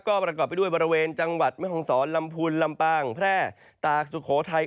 ก็ประกอบไปด้วยบริเวณจังหวัดแม่ห้องศรลำพูนลำปางแพร่ตากสุโขทัย